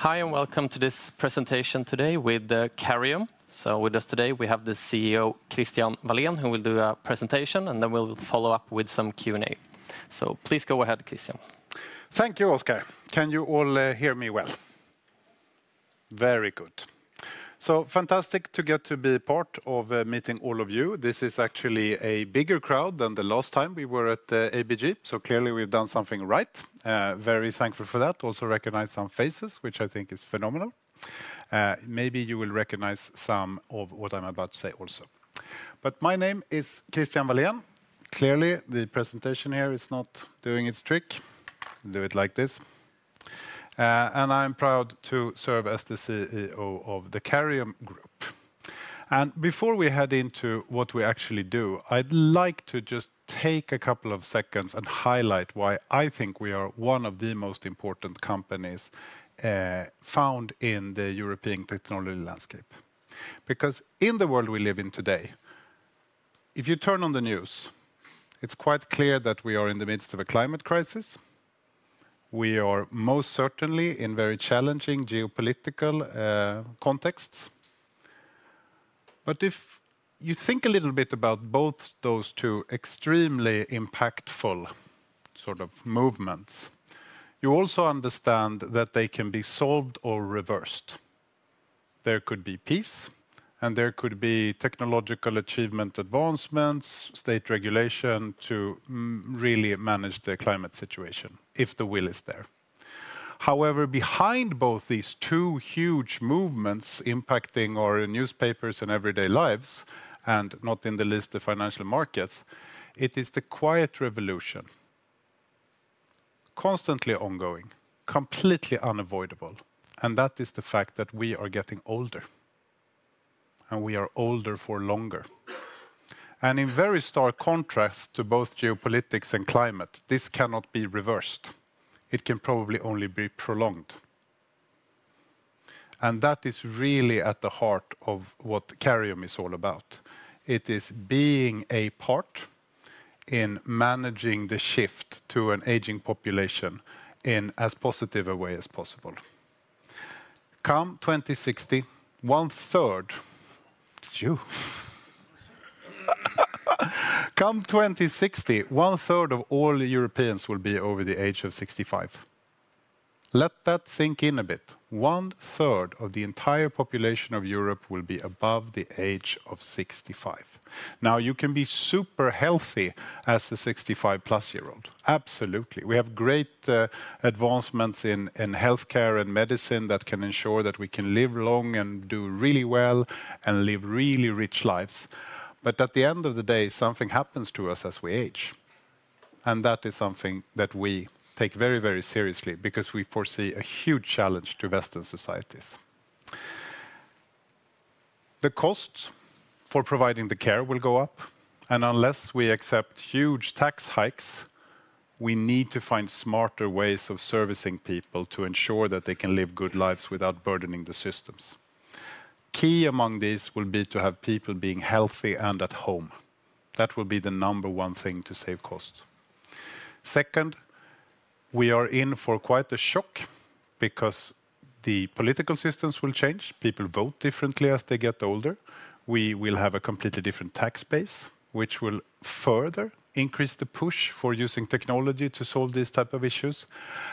Hi, and welcome to this presentation today with Careium. With us today, we have the Chief Executive Officer, Christian Walén, who will do a presentation, and then we'll follow up with some Q&A. Please go ahead, Christian. Thank you, Oskar. Can you all hear me well? Very good. So fantastic to get to be part of meeting all of you. This is actually a bigger crowd than the last time we were at ABG, so clearly we've done something right. Very thankful for that. Also recognize some faces, which I think is phenomenal. Maybe you will recognize some of what I'm about to say also. But my name is Christian Walén. Clearly, the presentation here is not doing its trick. Do it like this. And I'm proud to serve as the Chief Executive Officer of the Careium Group. And before we head into what we actually do, I'd like to just take a couple of seconds and highlight why I think we are one of the most important companies found in the European technology landscape. Because in the world we live in today, if you turn on the news, it's quite clear that we are in the midst of a climate crisis. We are most certainly in very challenging geopolitical contexts, but if you think a little bit about both those two extremely impactful sort of movements, you also understand that they can be solved or reversed. There could be peace, and there could be technological achievement advancements, state regulation to really manage the climate situation if the will is there. However, behind both these two huge movements impacting our newspapers and everyday lives, and not in the list of financial markets, it is the quiet revolution, constantly ongoing, completely unavoidable, and that is the fact that we are getting older, and we are older for longer, and in very stark contrast to both geopolitics and climate, this cannot be reversed. It can probably only be prolonged. And that is really at the heart of what Careium is all about. It is being a part in managing the shift to an aging population in as positive a way as possible. Come 2060, 1/3, it's you. Come 2060, 1/3 of all Europeans will be over the age of 65. Let that sink in a bit. One third of the entire population of Europe will be above the age of 65. Now, you can be super healthy as a 65+ year old. Absolutely. We have great advancements in healthcare and medicine that can ensure that we can live long and do really well and live really rich lives. But at the end of the day, something happens to us as we age. And that is something that we take very, very seriously because we foresee a huge challenge to Western societies. The costs for providing the care will go up. And unless we accept huge tax hikes, we need to find smarter ways of servicing people to ensure that they can live good lives without burdening the systems. Key among these will be to have people being healthy and at home. That will be the number one thing to save costs. Second, we are in for quite a shock because the political systems will change. People vote differently as they get older. We will have a completely different tax base, which will further increase the push for using technology to solve these types of issues.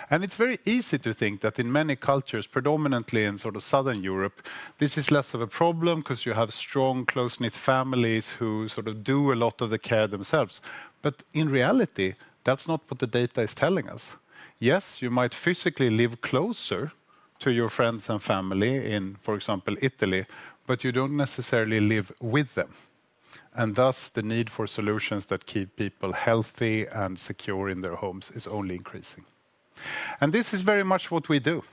And it's very easy to think that in many cultures, predominantly in sort of Southern Europe, this is less of a problem because you have strong, close-knit families who sort of do a lot of the care themselves. But in reality, that's not what the data is telling us. Yes, you might physically live closer to your friends and family in, for example, Italy, but you don't necessarily live with them. And thus, the need for solutions that keep people healthy and secure in their homes is only increasing. And this is very much what we do.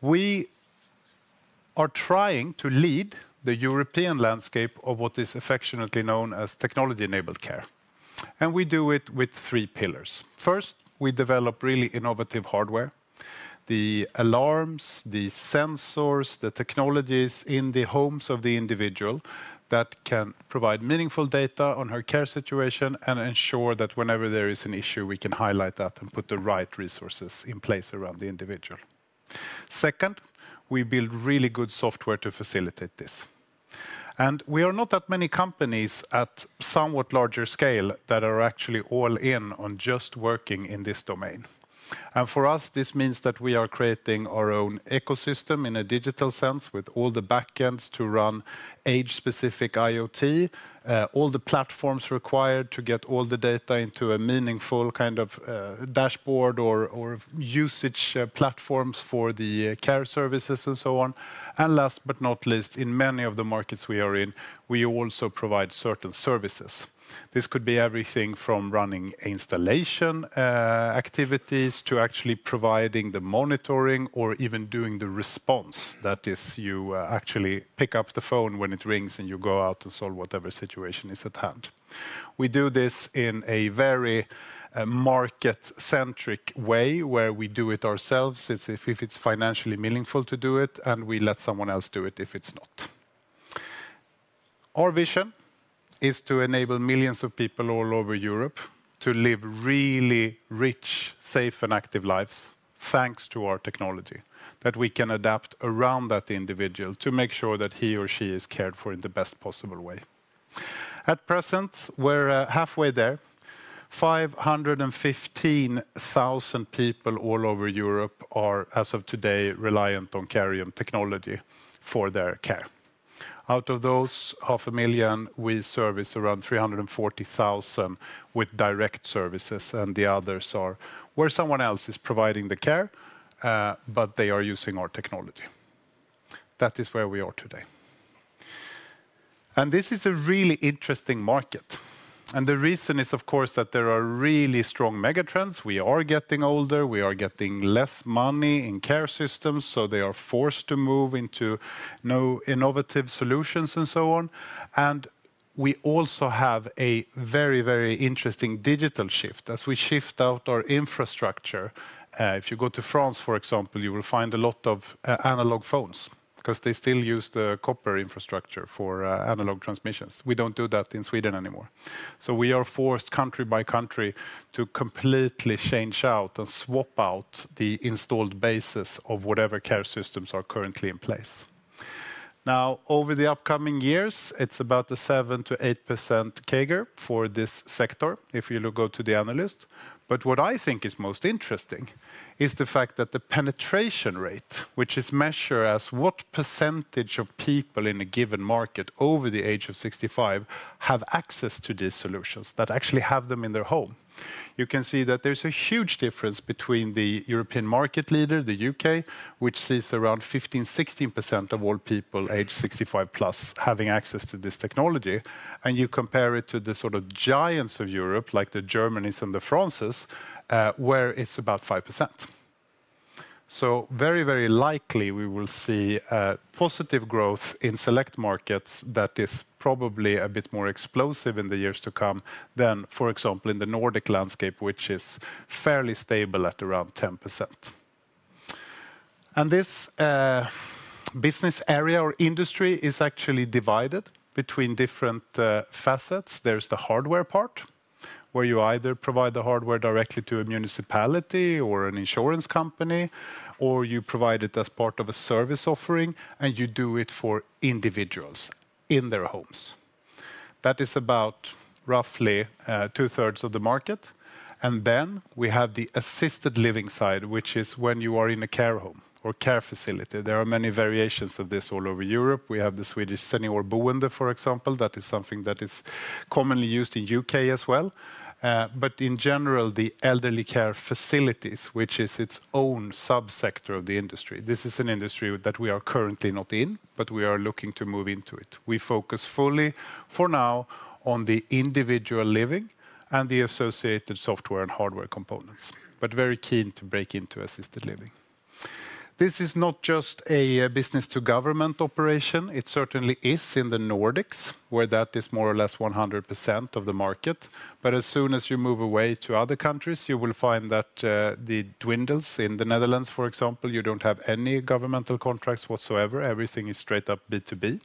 We are trying to lead the European landscape of what is affectionately known as technology-enabled care. And we do it with three pillars. First, we develop really innovative hardware, the alarms, the sensors, the technologies in the homes of the individual that can provide meaningful data on her care situation and ensure that whenever there is an issue, we can highlight that and put the right resources in place around the individual. Second, we build really good software to facilitate this. We are not that many companies at somewhat larger scale that are actually all in on just working in this domain. For us, this means that we are creating our own ecosystem in a digital sense with all the backends to run age-specific IoT, all the platforms required to get all the data into a meaningful kind of dashboard or usage platforms for the care services and so on. Last but not least, in many of the markets we are in, we also provide certain services. This could be everything from running installation activities to actually providing the monitoring or even doing the response that is you actually pick up the phone when it rings and you go out and solve whatever situation is at hand. We do this in a very market-centric way where we do it ourselves. It's if it's financially meaningful to do it, and we let someone else do it if it's not. Our vision is to enable millions of people all over Europe to live really rich, safe, and active lives thanks to our technology that we can adapt around that individual to make sure that he or she is cared for in the best possible way. At present, we're halfway there. 515,000 people all over Europe are, as of today, reliant on Careium technology for their care. Out of those, 500,000, we service around 340,000 with direct services, and the others are where someone else is providing the care, but they are using our technology. That is where we are today, and this is a really interesting market, and the reason is, of course, that there are really strong megatrends. We are getting older. We are getting less money in care systems, so they are forced to move into innovative solutions and so on. And we also have a very, very interesting digital shift as we shift out our infrastructure. If you go to France, for example, you will find a lot of analog phones because they still use the copper infrastructure for analog transmissions. We don't do that in Sweden anymore. So we are forced country by country to completely change out and swap out the installed base of whatever care systems are currently in place. Now, over the upcoming years, it's about a 7%-8% CAGR for this sector if you go to the analyst. But what I think is most interesting is the fact that the penetration rate, which is measured as what percentage of people in a given market over the age of 65 have access to these solutions that actually have them in their home. You can see that there's a huge difference between the European market leader, the U.K., which sees around 15%-16% of all people aged 65+ having access to this technology. And you compare it to the sort of giants of Europe, like the Germans and the French, where it's about 5%. So very, very likely we will see positive growth in select markets that is probably a bit more explosive in the years to come than, for example, in the Nordic landscape, which is fairly stable at around 10%. And this business area or industry is actually divided between different facets. There's the hardware part where you either provide the hardware directly to a municipality or an insurance company, or you provide it as part of a service offering, and you do it for individuals in their homes. That is about roughly 2/3 of the market, and then we have the assisted living side, which is when you are in a care home or care facility. There are many variations of this all over Europe. We have the Swedish Seniorboende, for example. That is something that is commonly used in the U.K. as well, but in general, the elderly care facilities, which is its own subsector of the industry. This is an industry that we are currently not in, but we are looking to move into it. We focus fully for now on the individual living and the associated software and hardware components, but very keen to break into assisted living. This is not just a business-to-government operation. It certainly is in the Nordics, where that is more or less 100% of the market, but as soon as you move away to other countries, you will find that it dwindles in the Netherlands, for example. You don't have any governmental contracts whatsoever. Everything is straight up B2B,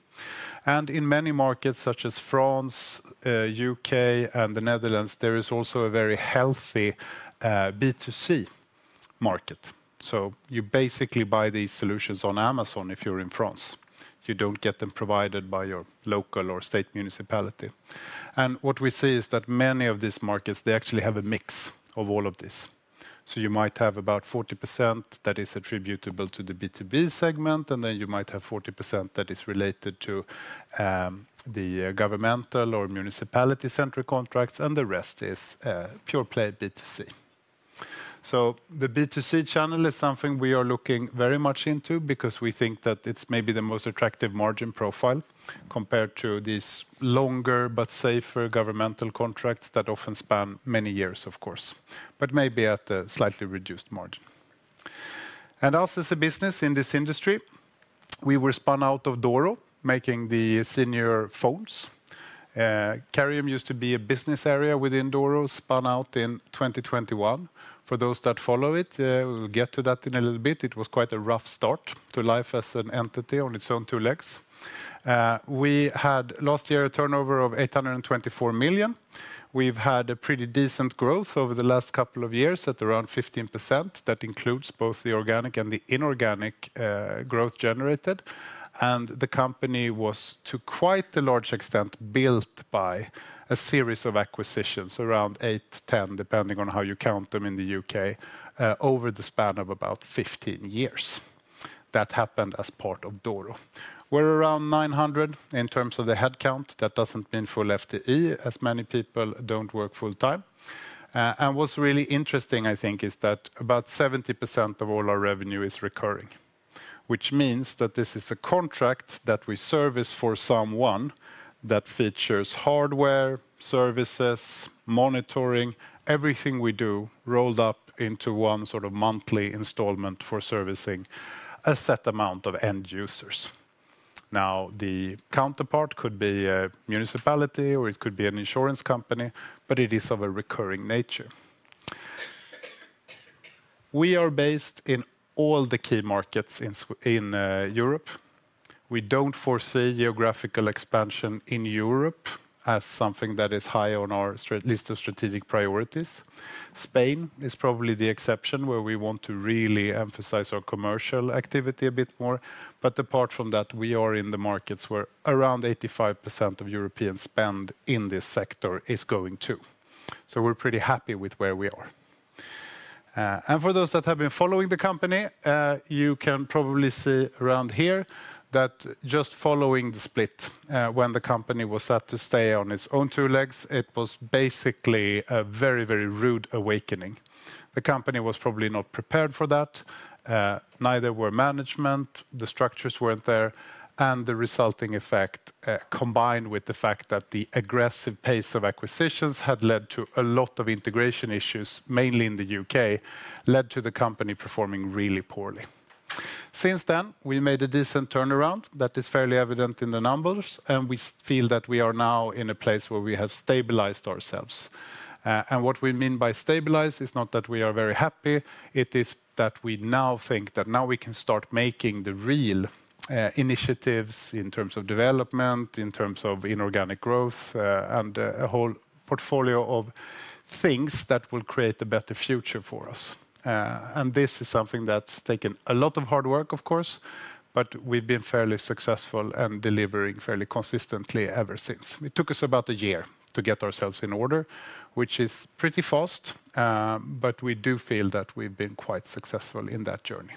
and in many markets such as France, the U.K., and the Netherlands, there is also a very healthy B2C market, so you basically buy these solutions on Amazon if you're in France. You don't get them provided by your local or state municipality, and what we see is that many of these markets, they actually have a mix of all of this. You might have about 40% that is attributable to the B2B segment, and then you might have 40% that is related to the governmental or municipality-centric contracts, and the rest is pure play B2C. The B2C channel is something we are looking very much into because we think that it's maybe the most attractive margin profile compared to these longer but safer governmental contracts that often span many years, of course, but maybe at a slightly reduced margin. Us as a business in this industry, we were spun out of Doro making the senior phones. Careium used to be a business area within Doro, spun out in 2021. For those that follow it, we'll get to that in a little bit. It was quite a rough start to life as an entity on its own two legs. We had last year a turnover of 824 million. We've had a pretty decent growth over the last couple of years at around 15%. That includes both the organic and the inorganic growth generated. And the company was, to quite a large extent, built by a series of acquisitions, around 8-10, depending on how you count them in the U.K., over the span of about 15 years. That happened as part of Doro. We're around 900 in terms of the headcount. That doesn't mean full FTE, as many people don't work full time. And what's really interesting, I think, is that about 70% of all our revenue is recurring, which means that this is a contract that we service for someone that features hardware, services, monitoring, everything we do rolled up into one sort of monthly installment for servicing a set amount of end users. Now, the counterpart could be a municipality, or it could be an insurance company, but it is of a recurring nature. We are based in all the key markets in Europe. We don't foresee geographical expansion in Europe as something that is high on our list of strategic priorities. Spain is probably the exception where we want to really emphasize our commercial activity a bit more. But apart from that, we are in the markets where around 85% of European spend in this sector is going to. So we're pretty happy with where we are. And for those that have been following the company, you can probably see around here that just following the split, when the company was set to stay on its own two legs, it was basically a very, very rude awakening. The company was probably not prepared for that. Neither were management. The structures weren't there. And the resulting effect, combined with the fact that the aggressive pace of acquisitions had led to a lot of integration issues, mainly in the U.K., led to the company performing really poorly. Since then, we made a decent turnaround. That is fairly evident in the numbers. And we feel that we are now in a place where we have stabilized ourselves. And what we mean by stabilize is not that we are very happy. It is that we now think that now we can start making the real initiatives in terms of development, in terms of inorganic growth, and a whole portfolio of things that will create a better future for us. And this is something that's taken a lot of hard work, of course, but we've been fairly successful and delivering fairly consistently ever since. It took us about a year to get ourselves in order, which is pretty fast, but we do feel that we've been quite successful in that journey.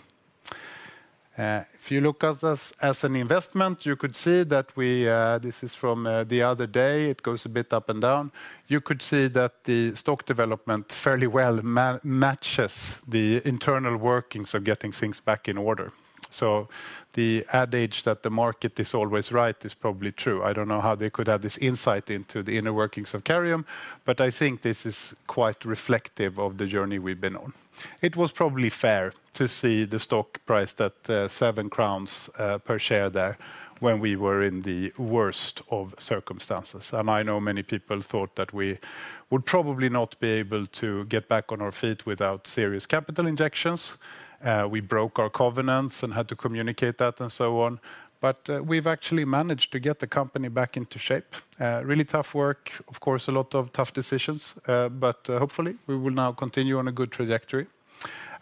If you look at us as an investment, you could see that we, this is from the other day. It goes a bit up and down. You could see that the stock development fairly well matches the internal workings of getting things back in order. So the adage that the market is always right is probably true. I don't know how they could have this insight into the inner workings of Careium, but I think this is quite reflective of the journey we've been on. It was probably fair to see the stock price that 7 crowns per share there when we were in the worst of circumstances. I know many people thought that we would probably not be able to get back on our feet without serious capital injections. We broke our covenants and had to communicate that and so on. We've actually managed to get the company back into shape. Really tough work, of course, a lot of tough decisions, but hopefully we will now continue on a good trajectory.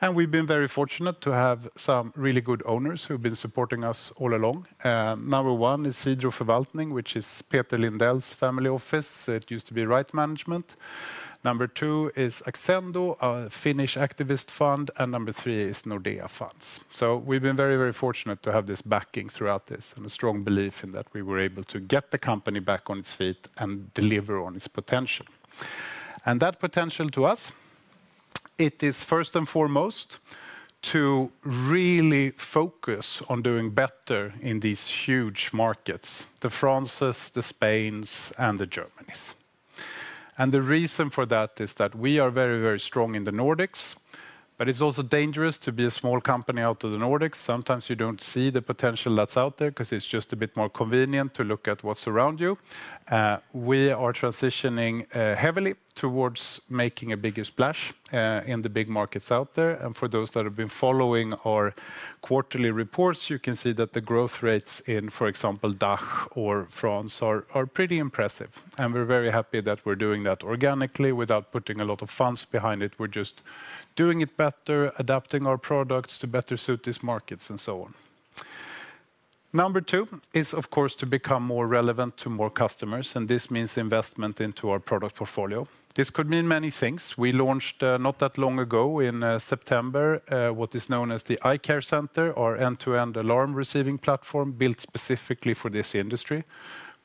We've been very fortunate to have some really good owners who've been supporting us all along. Number one is Cidro Förvaltning, which is Peter Lindell's family office. It used to be [Rite] Management. Number two is Accendo Capital, a Finnish activist fund, and number three is Nordea Funds. We've been very, very fortunate to have this backing throughout this and a strong belief in that we were able to get the company back on its feet and deliver on its potential. That potential to us, it is first and foremost to really focus on doing better in these huge markets, the Frances, the Spains, and the Germanys. The reason for that is that we are very, very strong in the Nordics, but it's also dangerous to be a small company out of the Nordics. Sometimes you don't see the potential that's out there because it's just a bit more convenient to look at what's around you. We are transitioning heavily towards making a bigger splash in the big markets out there. For those that have been following our quarterly reports, you can see that the growth rates in, for example, DACH or France are pretty impressive. We're very happy that we're doing that organically without putting a lot of funds behind it. We're just doing it better, adapting our products to better suit these markets and so on. Number two is, of course, to become more relevant to more customers, and this means investment into our product portfolio. This could mean many things. We launched not that long ago in September what is known as the i-Care Center, our end-to-end alarm receiving platform built specifically for this industry.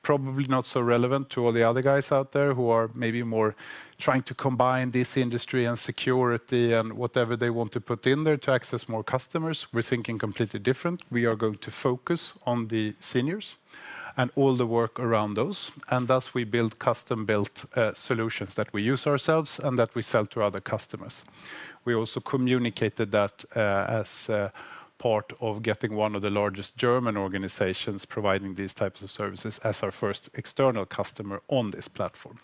Probably not so relevant to all the other guys out there who are maybe more trying to combine this industry and security and whatever they want to put in there to access more customers. We're thinking completely different. We are going to focus on the seniors and all the work around those, and thus we build custom-built solutions that we use ourselves and that we sell to other customers. We also communicated that, as part of getting one of the largest German organizations providing these types of services as our first external customer on this platform.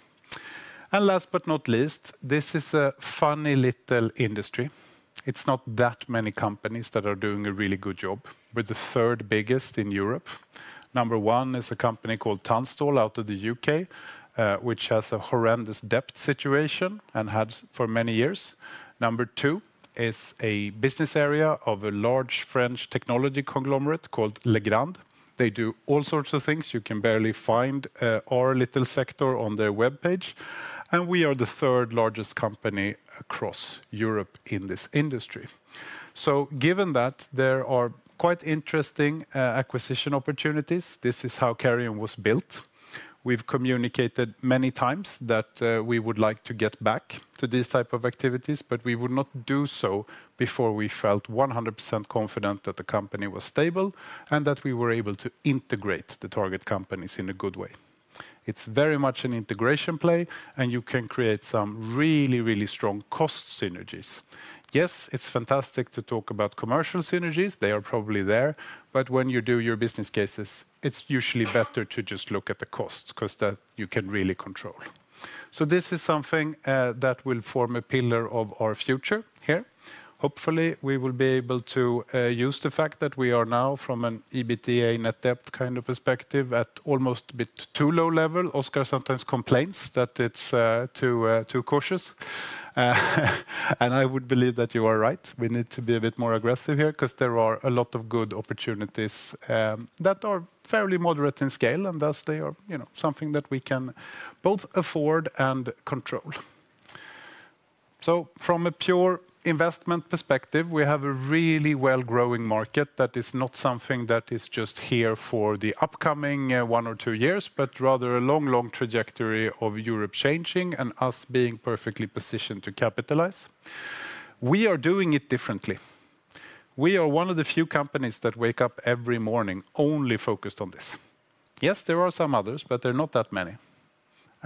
Last but not least, this is a funny little industry. It's not that many companies that are doing a really good job. We're the third biggest in Europe. Number one is a company called Tunstall out of the U.K., which has a horrendous debt situation and had for many years. Number two is a business area of a large French technology conglomerate called Legrand. They do all sorts of things. You can barely find our little sector on their web page. And we are the third largest company across Europe in this industry. So given that, there are quite interesting acquisition opportunities. This is how Careium was built. We've communicated many times that we would like to get back to these types of activities, but we would not do so before we felt 100% confident that the company was stable and that we were able to integrate the target companies in a good way. It's very much an integration play, and you can create some really, really strong cost synergies. Yes, it's fantastic to talk about commercial synergies. They are probably there. But when you do your business cases, it's usually better to just look at the costs because that you can really control. So this is something that will form a pillar of our future here. Hopefully, we will be able to use the fact that we are now, from an EBITDA net debt kind of perspective, at almost a bit too low level. Oskar sometimes complains that it's too cautious. I would believe that you are right. We need to be a bit more aggressive here because there are a lot of good opportunities that are fairly moderate in scale, and thus they are something that we can both afford and control. From a pure investment perspective, we have a really well-growing market that is not something that is just here for the upcoming one or two years, but rather a long, long trajectory of Europe changing and us being perfectly positioned to capitalize. We are doing it differently. We are one of the few companies that wake up every morning only focused on this. Yes, there are some others, but there are not that many.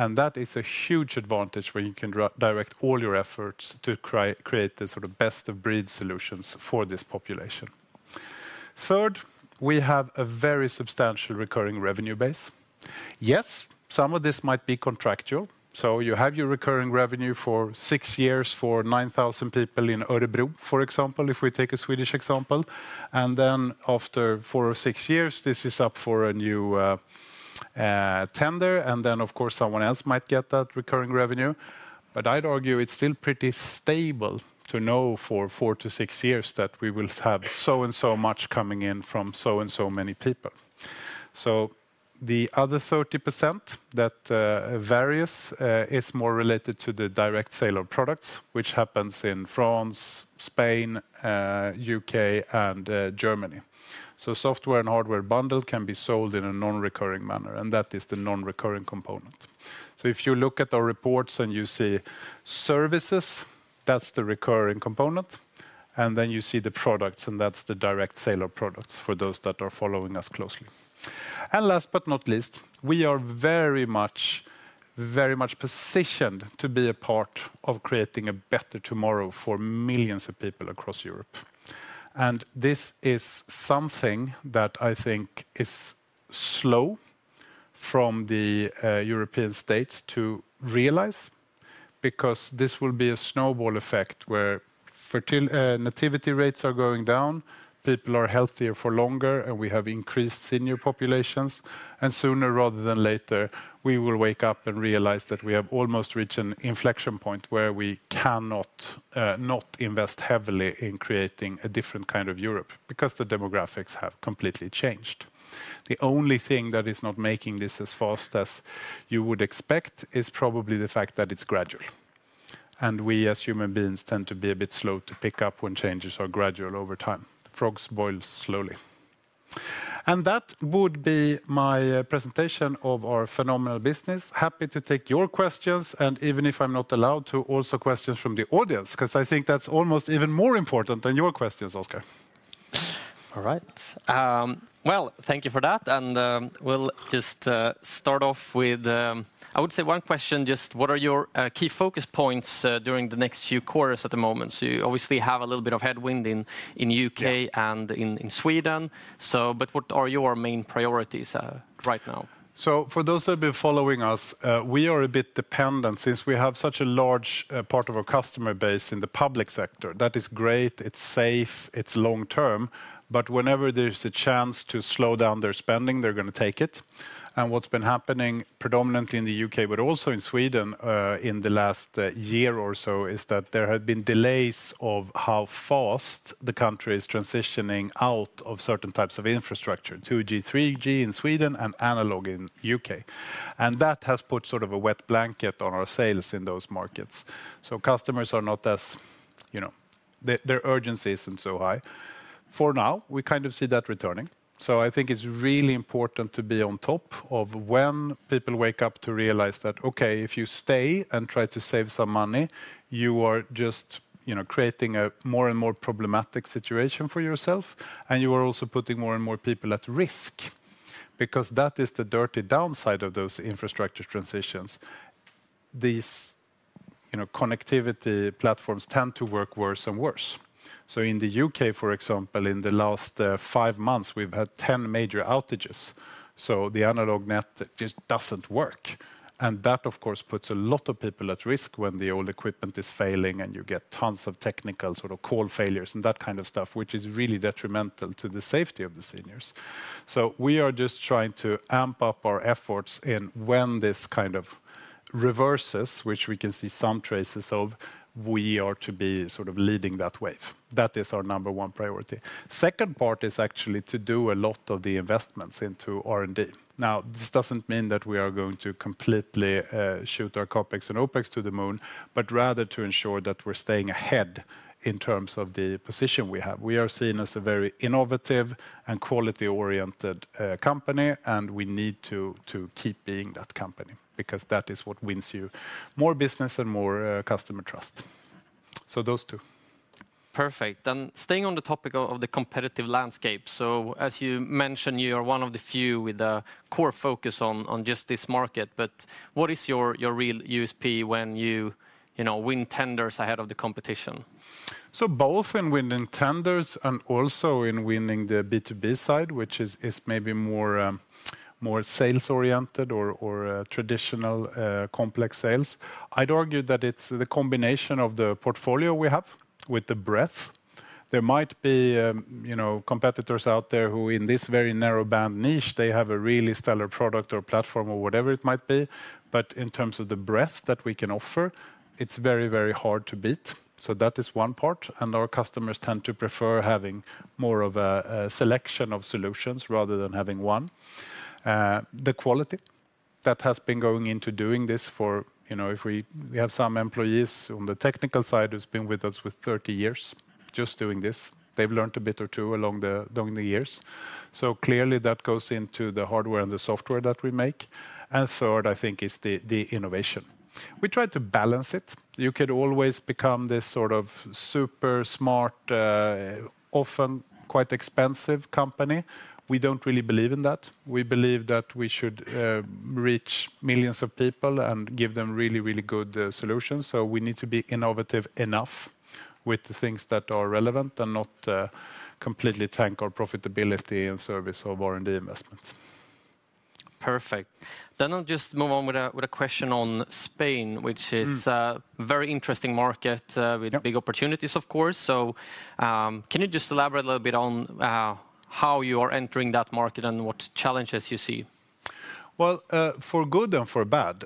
That is a huge advantage where you can direct all your efforts to create the sort of best-of-breed solutions for this population. Third, we have a very substantial recurring revenue base. Yes, some of this might be contractual, so you have your recurring revenue for six years for 9,000 people in Örebro, for example, if we take a Swedish example, and then after four or six years, this is up for a new tender, and then, of course, someone else might get that recurring revenue, but I'd argue it's still pretty stable to know for four to six years that we will have so and so much coming in from so and so many people, so the other 30% that varies is more related to the direct sale of products, which happens in France, Spain, U.K., and Germany, so software and hardware bundle can be sold in a non-recurring manner, and that is the non-recurring component, so if you look at our reports and you see services, that's the recurring component. And then you see the products, and that's the direct sale of products for those that are following us closely. And last but not least, we are very much, very much positioned to be a part of creating a better tomorrow for millions of people across Europe. And this is something that I think is slow from the European states to realize because this will be a snowball effect where fertility rates are going down, people are healthier for longer, and we have increased senior populations. And sooner rather than later, we will wake up and realize that we have almost reached an inflection point where we cannot not invest heavily in creating a different kind of Europe because the demographics have completely changed. The only thing that is not making this as fast as you would expect is probably the fact that it's gradual. We, as human beings, tend to be a bit slow to pick up when changes are gradual over time. Frogs boil slowly. And that would be my presentation of our phenomenal business. Happy to take your questions, and even if I'm not allowed to, also questions from the audience because I think that's almost even more important than your questions, Oskar. All right. Well, thank you for that. And we'll just start off with, I would say, one question. Just what are your key focus points during the next few quarters at the moment? So you obviously have a little bit of headwind in the U.K. and in Sweden. But what are your main priorities right now? So for those that have been following us, we are a bit dependent since we have such a large part of our customer base in the public sector. That is great. It's safe. It's long term. But whenever there's a chance to slow down their spending, they're going to take it. And what's been happening predominantly in the U.K., but also in Sweden in the last year or so is that there have been delays of how fast the country is transitioning out of certain types of infrastructure, 2G, 3G in Sweden and analog in the U.K. And that has put sort of a wet blanket on our sales in those markets. So customers are not as, you know, their urgency isn't so high. For now, we kind of see that returning. So I think it's really important to be on top of when people wake up to realize that, okay, if you stay and try to save some money, you are just creating a more and more problematic situation for yourself. And you are also putting more and more people at risk because that is the dirty downside of those infrastructure transitions. These connectivity platforms tend to work worse and worse. So in the U.K., for example, in the last five months, we've had 10 major outages. So the analog net just doesn't work. And that, of course, puts a lot of people at risk when the old equipment is failing and you get tons of technical sort of call failures and that kind of stuff, which is really detrimental to the safety of the seniors. So we are just trying to amp up our efforts in when this kind of reverses, which we can see some traces of, we are to be sort of leading that wave. That is our number one priority. Second part is actually to do a lot of the investments into R&D. Now, this doesn't mean that we are going to completely shoot our CAPEX and OPEX to the moon, but rather to ensure that we're staying ahead in terms of the position we have. We are seen as a very innovative and quality-oriented company, and we need to keep being that company because that is what wins you more business and more customer trust. So those two. Perfect. And staying on the topic of the competitive landscape. So as you mentioned, you are one of the few with a core focus on just this market. But what is your real USP when you win tenders ahead of the competition? So both in winning tenders and also in winning the B2B side, which is maybe more sales-oriented or traditional complex sales, I'd argue that it's the combination of the portfolio we have with the breadth. There might be competitors out there who in this very narrow band niche, they have a really stellar product or platform or whatever it might be. But in terms of the breadth that we can offer, it's very, very hard to beat. So that is one part. And our customers tend to prefer having more of a selection of solutions rather than having one. The quality that has been going into doing this for, you know, if we have some employees on the technical side who've been with us for 30 years just doing this, they've learned a bit or two along the years. So clearly that goes into the hardware and the software that we make. And third, I think, is the innovation. We try to balance it. You could always become this sort of super smart, often quite expensive company. We don't really believe in that. We believe that we should reach millions of people and give them really, really good solutions so we need to be innovative enough with the things that are relevant and not completely tank our profitability in service of R&D investments. Perfect, then I'll just move on with a question on Spain, which is a very interesting market with big opportunities, of course so can you just elaborate a little bit on how you are entering that market and what challenges you see? Well, for good and for bad,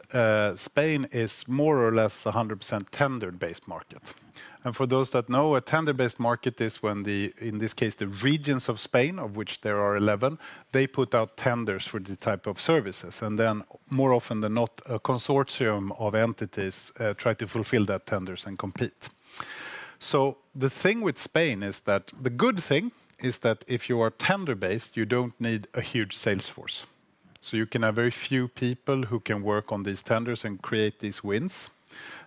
Spain is more or less a 100% tender-based market. And for those that know, a tender-based market is when the, in this case, the regions of Spain, of which there are 11, they put out tenders for the type of services and then more often than not, a consortium of entities try to fulfill that tenders and compete. So the thing with Spain is that the good thing is that if you are tender-based, you don't need a huge sales force. So you can have very few people who can work on these tenders and create these wins.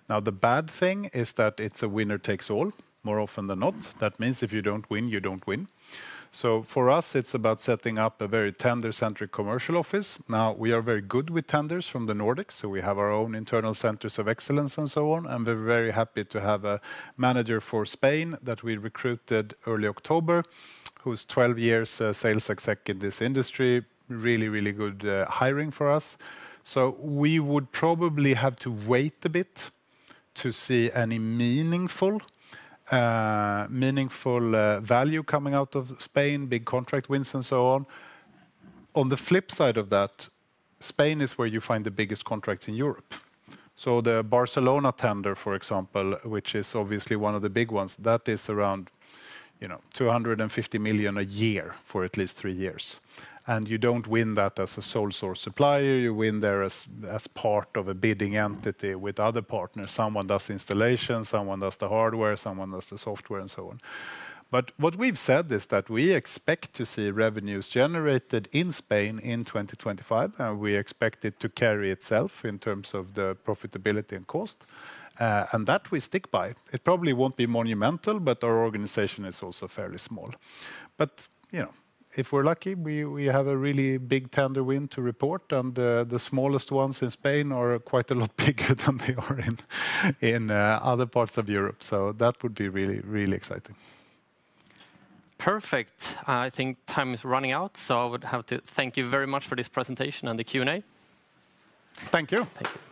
Now, the bad thing is that it's a winner takes all more often than not. That means if you don't win, you don't win. So for us, it's about setting up a very tender-centric commercial office. Now, we are very good with tenders from the Nordics. So we have our own internal centers of excellence and so on. And we're very happy to have a manager for Spain that we recruited early October, who's 12 years sales exec in this industry. Really, really good hiring for us. So we would probably have to wait a bit to see any meaningful value coming out of Spain, big contract wins and so on. On the flip side of that, Spain is where you find the biggest contracts in Europe. So the Barcelona tender, for example, which is obviously one of the big ones, that is around 250 million a year for at least three years. And you don't win that as a sole source supplier. You win there as part of a bidding entity with other partners. Someone does installation, someone does the hardware, someone does the software, and so on. But what we've said is that we expect to see revenues generated in Spain in 2025. We expect it to carry itself in terms of the profitability and cost. And that we stick by. It probably won't be monumental, but our organization is also fairly small. But if we're lucky, we have a really big tender win to report. And the smallest ones in Spain are quite a lot bigger than they are in other parts of Europe. So that would be really, really exciting. Perfect. I think time is running out. So I would have to thank you very much for this presentation and the Q&A. Thank you. Thank you.